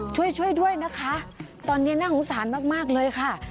ช่วยช่วยด้วยนะคะตอนนี้น่าสงสารมากเลยค่ะ